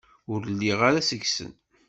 Ur lliɣ ara seg-sen.